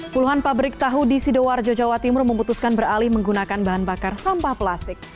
puluhan pabrik tahu di sidoarjo jawa timur memutuskan beralih menggunakan bahan bakar sampah plastik